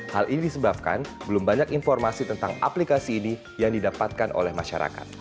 hal ini disebabkan belum banyak informasi tentang aplikasi ini yang didapatkan oleh masyarakat